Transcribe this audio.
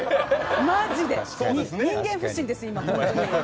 マジで人間不信です、今。